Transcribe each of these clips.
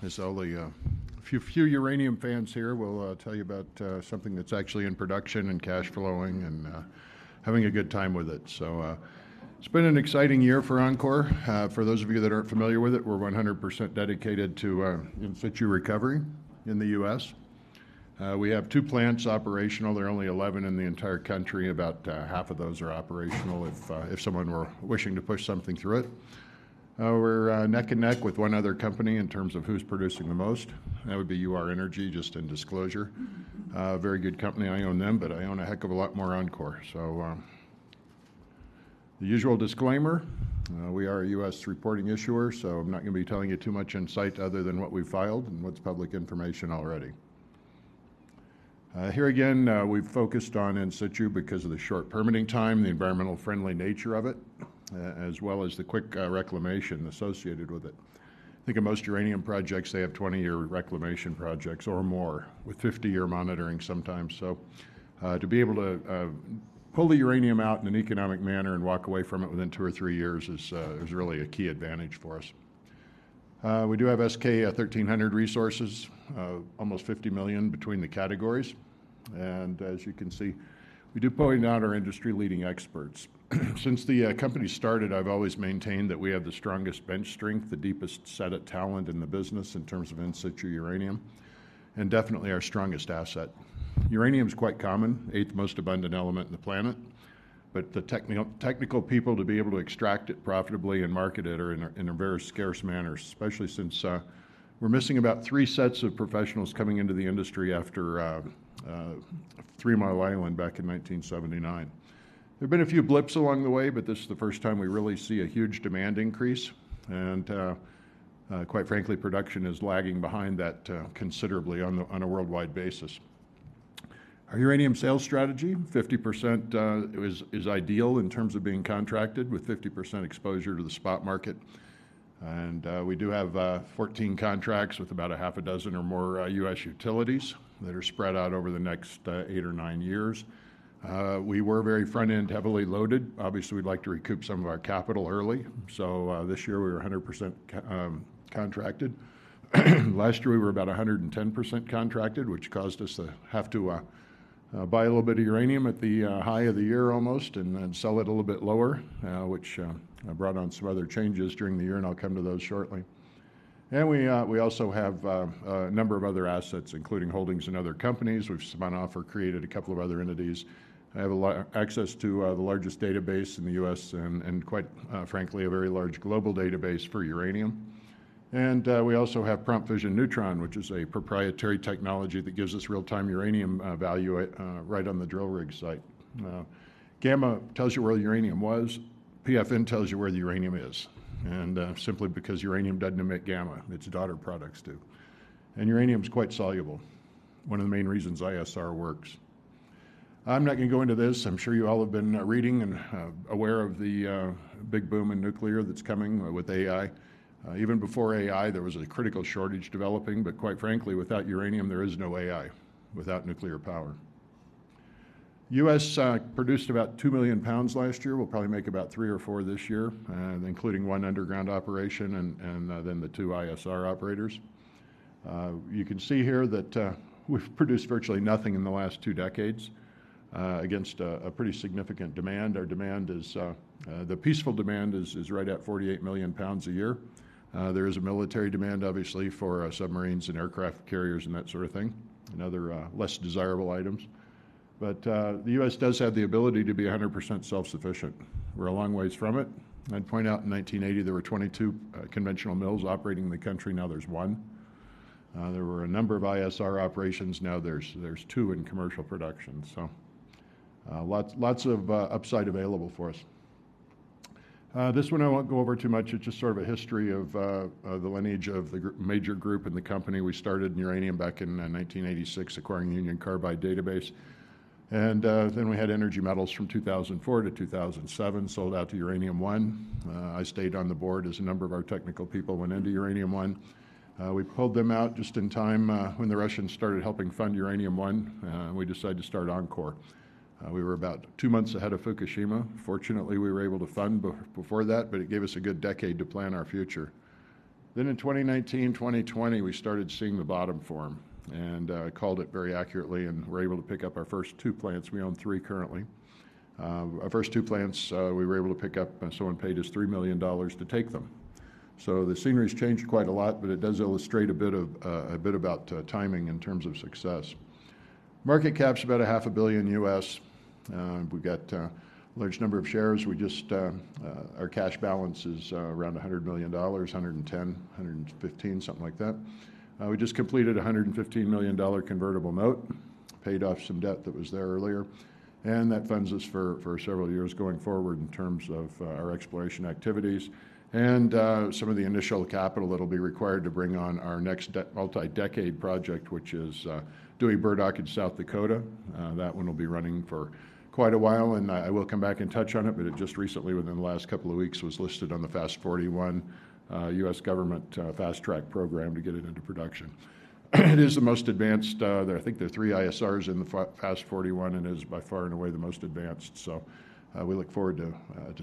There's only a few uranium fans here. We'll tell you about something that's actually in production and cash flowing and having a good time with it. So it's been an exciting year for enCore. For those of you that aren't familiar with it, we're 100% dedicated to in-situ recovery in the U.S. We have two plants operational. There are only 11 in the entire country. About half of those are operational if someone were wishing to push something through it. We're neck and neck with one other company in terms of who's producing the most. That would be Ur-Energy, just in disclosure. Very good company. I own them, but I own a heck of a lot more enCore. So the usual disclaimer: we are a U.S. reporting issuer, so I'm not going to be telling you too much insight other than what we filed and what's public information already. Here again, we've focused on in-situ because of the short permitting time, the environmentally friendly nature of it, as well as the quick reclamation associated with it. I think in most uranium projects, they have 20-year reclamation projects or more, with 50-year monitoring sometimes. So to be able to pull the uranium out in an economic manner and walk away from it within two or three years is really a key advantage for us. We do have S-K 1300 resources, almost 50 million between the categories, and as you can see, we do point out our industry-leading experts. Since the company started, I've always maintained that we have the strongest bench strength, the deepest set of talent in the business in terms of in-situ uranium, and definitely our strongest asset. Uranium is quite common, the eighth most abundant element on the planet. But the technical people to be able to extract it profitably and market it are in a very scarce manner, especially since we're missing about three sets of professionals coming into the industry after Three Mile Island back in 1979. There have been a few blips along the way, but this is the first time we really see a huge demand increase. And quite frankly, production is lagging behind that considerably on a worldwide basis. Our uranium sales strategy, 50% is ideal in terms of being contracted with 50% exposure to the spot market. We do have 14 contracts with about a half a dozen or more U.S. utilities that are spread out over the next eight or nine years. We were very front-end heavily loaded. Obviously, we'd like to recoup some of our capital early. So this year we were 100% contracted. Last year we were about 110% contracted, which caused us to have to buy a little bit of uranium at the high of the year almost and then sell it a little bit lower, which brought on some other changes during the year, and I'll come to those shortly. We also have a number of other assets, including holdings in other companies. We've spun off or created a couple of other entities. I have access to the largest database in the U.S. and quite frankly, a very large global database for uranium. And we also have Prompt Fission Neutron, which is a proprietary technology that gives us real-time uranium value right on the drill rig site. Gamma tells you where uranium was. PFN tells you where the uranium is. And simply because uranium doesn't emit gamma. Its daughter products do. And uranium is quite soluble. One of the main reasons ISR works. I'm not going to go into this. I'm sure you all have been reading and aware of the big boom in nuclear that's coming with AI. Even before AI, there was a critical shortage developing. But quite frankly, without uranium, there is no AI, without nuclear power. The U.S. produced about two million pounds last year. We'll probably make about three or four this year, including one underground operation and then the two ISR operators. You can see here that we've produced virtually nothing in the last two decades against a pretty significant demand. Our demand is the peaceful demand is right at 48 million pounds a year. There is a military demand, obviously, for submarines and aircraft carriers and that sort of thing and other less desirable items, but the U.S. does have the ability to be 100% self-sufficient. We're a long ways from it. I'd point out in 1980, there were 22 conventional mills operating in the country. Now there's one. There were a number of ISR operations. Now there's two in commercial production, so lots of upside available for us. This one I won't go over too much. It's just sort of a history of the lineage of the major group and the company. We started in uranium back in 1986, acquiring Union Carbide database. Then we had Energy Metals from 2004-2007, sold out to Uranium One. I stayed on the board as a number of our technical people went into Uranium One. We pulled them out just in time when the Russians started helping fund Uranium One. We decided to start enCore. We were about two months ahead of Fukushima. Fortunately, we were able to fund before that, but it gave us a good decade to plan our future. Then in 2019, 2020, we started seeing the bottom form. And I called it very accurately and were able to pick up our first two plants. We own three currently. Our first two plants, we were able to pick up. Someone paid us $3 million to take them. So the scenery has changed quite a lot, but it does illustrate a bit about timing in terms of success. Market cap's about $500 million. We've got a large number of shares. Our cash balance is around $100 million, $110 million, $115 million, something like that. We just completed a $115 million convertible note, paid off some debt that was there earlier. And that funds us for several years going forward in terms of our exploration activities. And some of the initial capital that'll be required to bring on our next multi-decade project, which is Dewey Burdock in South Dakota. That one will be running for quite a while. And I will come back and touch on it. But it just recently, within the last couple of weeks, was listed on the FAST-41 U.S. government fast track program to get it into production. It is the most advanced. I think there are three ISRs in the FAST-41, and it is by far and away the most advanced. So we look forward to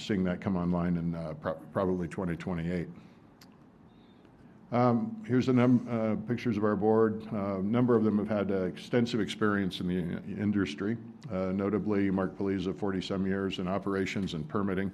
seeing that come online in probably 2028. Here's a picture of our board. A number of them have had extensive experience in the industry, notably Mark Pelizza, 40-some years in operations and permitting,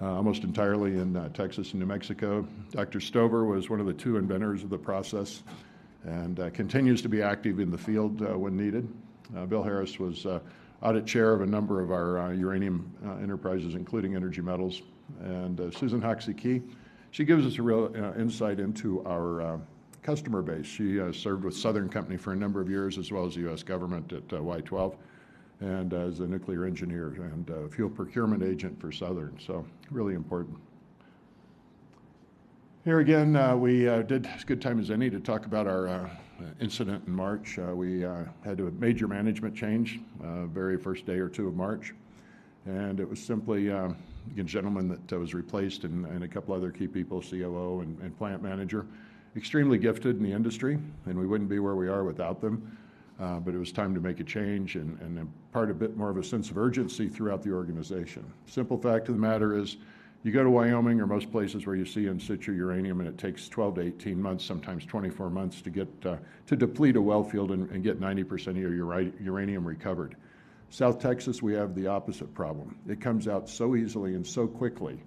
almost entirely in Texas and New Mexico. Dr. Stover was one of the two inventors of the process and continues to be active in the field when needed. Will Harris was audit chair of a number of our uranium enterprises, including Energy Metals. And Susan Hoxie-Key, she gives us a real insight into our customer base. She served with Southern Company for a number of years, as well as the U.S. government at Y-12, and as a nuclear engineer and fuel procurement agent for Southern. So really important. Here again, we did as good time as any to talk about our incident in March. We had a major management change the very first day or two of March. And it was simply a gentleman that was replaced and a couple of other key people, COO and plant manager, extremely gifted in the industry. And we wouldn't be where we are without them. But it was time to make a change and impart a bit more of a sense of urgency throughout the organization. Simple fact of the matter is you go to Wyoming or most places where you see in-situ uranium, and it takes 12-18 months, sometimes 24 months, to deplete a well field and get 90% of your uranium recovered. South Texas, we have the opposite problem. It comes out so easily and so quickly.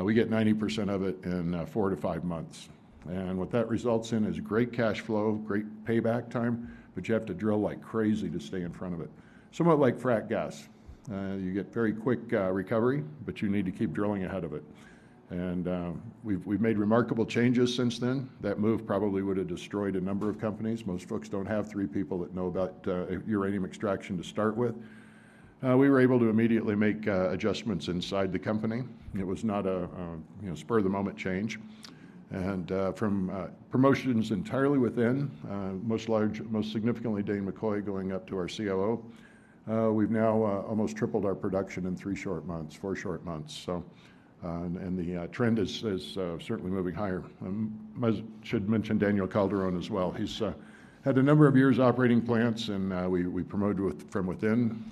We get 90% of it in four to five months. What that results in is great cash flow, great payback time, but you have to drill like crazy to stay in front of it. Somewhat like frack gas. You get very quick recovery, but you need to keep drilling ahead of it. We've made remarkable changes since then. That move probably would have destroyed a number of companies. Most folks don't have three people that know about uranium extraction to start with. We were able to immediately make adjustments inside the company. It was not a spur-of-the-moment change. From promotions entirely within, most significantly Dain McCoig going up to our COO, we've now almost tripled our production in three short months, four short months. The trend is certainly moving higher. I should mention Daniel Calderon as well. He's had a number of years operating plants, and we promote from within.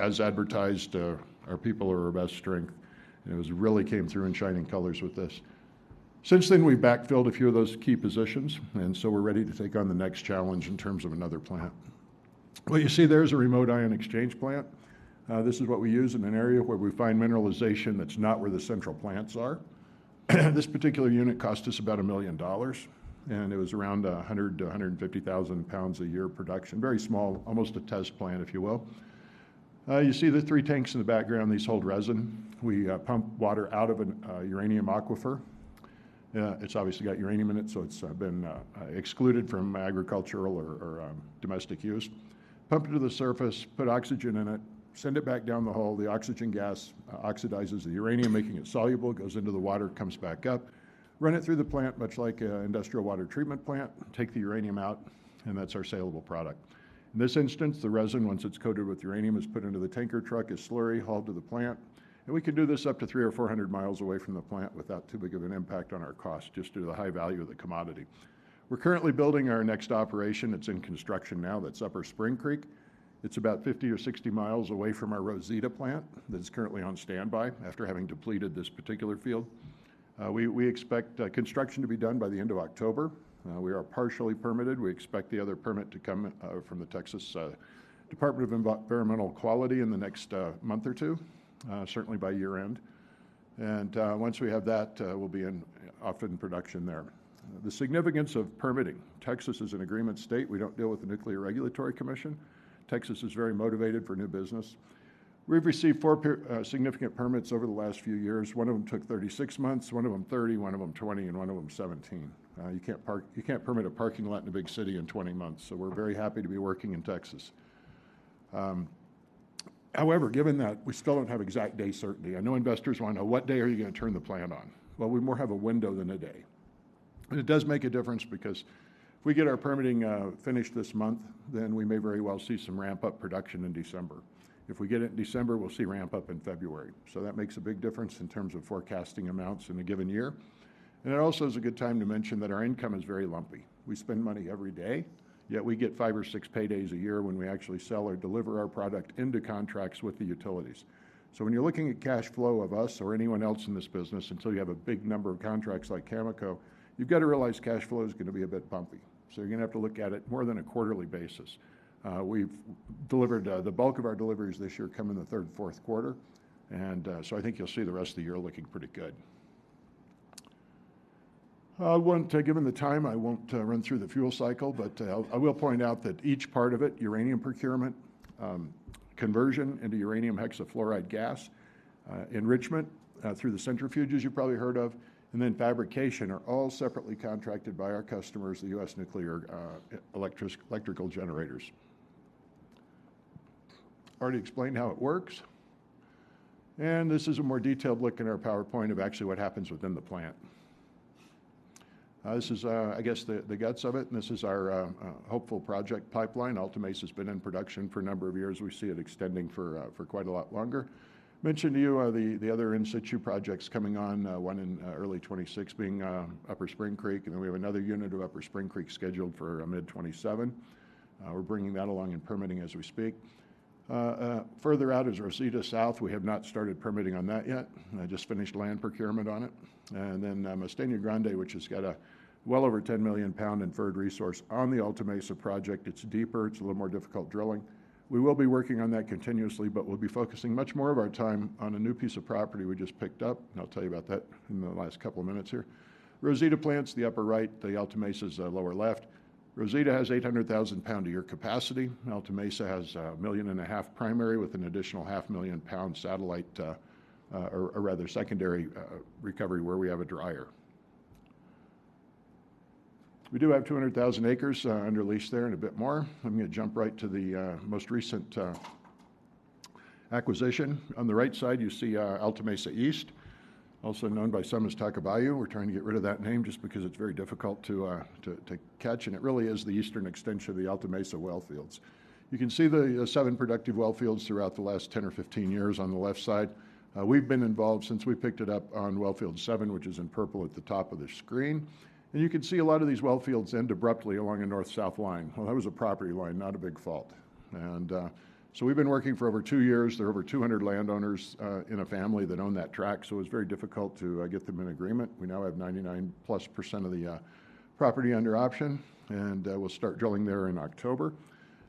As advertised, our people are our best strength. And it really came through in shining colors with this. Since then, we've backfilled a few of those key positions. And so we're ready to take on the next challenge in terms of another plant. What you see there is a remote Ion Exchange Plant. This is what we use in an area where we find mineralization that's not where the central plants are. This particular unit cost us about $1 million. And it was around 100,000-150,000 pounds a year of production. Very small, almost a test plant, if you will. You see the three tanks in the background. These hold resin. We pump water out of a uranium aquifer. It's obviously got uranium in it, so it's been excluded from agricultural or domestic use. Pump it to the surface. Put oxygen in it. Send it back down the hole. The oxygen gas oxidizes the uranium, making it soluble, goes into the water, comes back up. Run it through the plant, much like an industrial water treatment plant. Take the uranium out, and that's our saleable product. In this instance, the resin, once it's coated with uranium, is put into the tanker truck, is slurry, hauled to the plant. And we can do this up to 300 or 400 miles away from the plant without too big of an impact on our cost, just due to the high value of the commodity. We're currently building our next operation. It's in construction now. That's Upper Spring Creek. It's about 50 or 60 miles away from our Rosita plant that's currently on standby after having depleted this particular field. We expect construction to be done by the end of October. We are partially permitted. We expect the other permit to come from the Texas Commission on Environmental Quality in the next month or two, certainly by year-end. Once we have that, we'll be off in production there. The significance of permitting. Texas is an Agreement State. We don't deal with the Nuclear Regulatory Commission. Texas is very motivated for new business. We've received four significant permits over the last few years. One of them took 36 months, one of them 30 months, one of them 20 months, and one of them 17 months. You can't permit a parking lot in a big city in 20 months. We're very happy to be working in Texas. However, given that, we still don't have exact day certainty. I know investors want to know, what day are you going to turn the plant on? We more have a window than a day. And it does make a difference because if we get our permitting finished this month, then we may very well see some ramp-up production in December. If we get it in December, we'll see ramp-up in February. So that makes a big difference in terms of forecasting amounts in a given year. And it also is a good time to mention that our income is very lumpy. We spend money every day, yet we get five or six paydays a year when we actually sell or deliver our product into contracts with the utilities. So when you're looking at cash flow of us or anyone else in this business, until you have a big number of contracts like Cameco, you've got to realize cash flow is going to be a bit bumpy. So you're going to have to look at it more than a quarterly basis. We've delivered the bulk of our deliveries this year come in the third and fourth quarter. So I think you'll see the rest of the year looking pretty good. Given the time, I won't run through the fuel cycle, but I will point out that each part of it, uranium procurement, conversion into uranium hexafluoride gas, enrichment through the centrifuges you've probably heard of, and then fabrication are all separately contracted by our customers, the U.S. nuclear electrical generators. Already explained how it works. This is a more detailed look in our PowerPoint of actually what happens within the plant. This is, I guess, the guts of it. This is our hopeful project pipeline. Alta Mesa has been in production for a number of years. We see it extending for quite a lot longer. mentioned to you the other in situ projects coming on, one in early 2026 being Upper Spring Creek. Then we have another unit of Upper Spring Creek scheduled for mid-2027. We're bringing that along and permitting as we speak. Further out is Rosita South. We have not started permitting on that yet. I just finished land procurement on it. Then Mesteña Grande, which has got a well over 10 million pounds inferred resource on the Alta Mesa project. It's deeper. It's a little more difficult drilling. We will be working on that continuously, but we'll be focusing much more of our time on a new piece of property we just picked up. I'll tell you about that in the last couple of minutes here. Rosita plant's the upper right. The Alta Mesa is lower left. Rosita has 800,000 pounds a year capacity. Alta Mesa has 1.5 million pounds primary with an additional 500,000-pound satellite, or rather secondary recovery where we have a dryer. We do have 200,000 acres under lease there and a bit more. I'm going to jump right to the most recent acquisition. On the right side, you see Alta Mesa East, also known by some as Tacubaya. We're trying to get rid of that name just because it's very difficult to catch, and it really is the eastern extension of the Alta Mesa well fields. You can see the seven productive well fields throughout the last 10 or 15 years on the left side. We've been involved since we picked it up on Wellfield 7, which is in purple at the top of the screen, and you can see a lot of these well fields end abruptly along a north-south line. Well, that was a property line, not a big fault. And so we've been working for over two years. There are over 200 landowners in a family that own that tract. So it was very difficult to get them in agreement. We now have 99%+ of the property under option. And we'll start drilling there in October.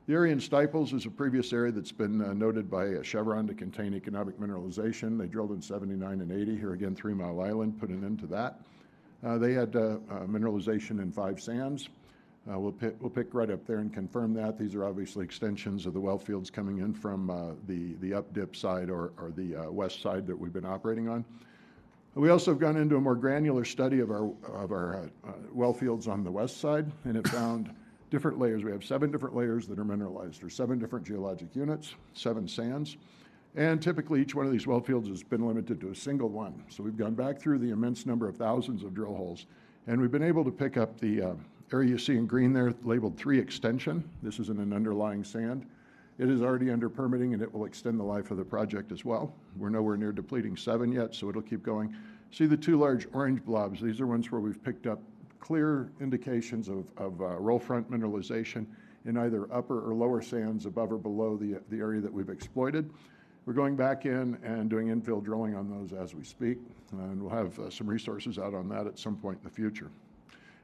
The area in stipples is a previous area that's been noted by Chevron to contain economic mineralization. They drilled in 1979 and 1980 here, again, Three Mile Island, putting into that. They had mineralization in five sands. We'll pick right up there and confirm that. These are obviously extensions of the well fields coming in from the updip side or the west side that we've been operating on. We also have gone into a more granular study of our well fields on the west side. And it found different layers. We have seven different layers that are mineralized or seven different geologic units, seven sands. And typically, each one of these well fields has been limited to a single one. So we've gone back through the immense number of thousands of drill holes. And we've been able to pick up the area you see in green there, labeled three extension. This is in an underlying sand. It is already under permitting, and it will extend the life of the project as well. We're nowhere near depleting seven yet, so it'll keep going. See the two large orange blobs? These are ones where we've picked up clear indications of roll front mineralization in either upper or lower sands above or below the area that we've exploited. We're going back in and doing infill drilling on those as we speak. And we'll have some resources out on that at some point in the future.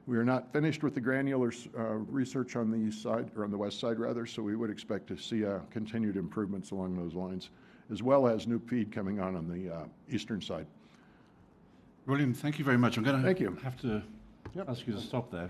We are not finished with the granular research on the east side or on the west side, rather. So we would expect to see continued improvements along those lines, as well as new feed coming on the eastern side. William, thank you very much. I'm going to have to ask you to stop that.